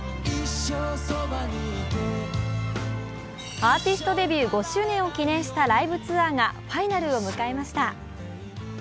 アーティストデビュー５周年を記念したライブツアーがファイナルを迎えました。